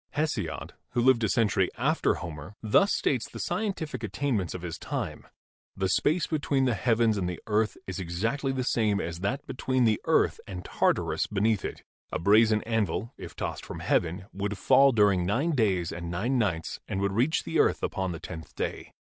Hesiod, who lived a century after Homer, thus states the scientific attainments of his time : "The space between THE BEGINNINGS OF CARTOGRAPHY 21 the heavens and the earth is exactly the same as that be tween the earth and Tartarus beneath it. A brazen anvil, if tossed from heaven, would fall during nine days and nine nights and would reach the earth upon the tenth day.